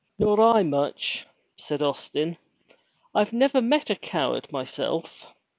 "Nor I much," said Austin. "I never met a coward myself.